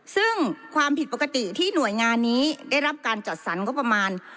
ซึ่งความผิดปกติที่หน่วยงานนี้ได้รับการจัดสรรงบประมาณ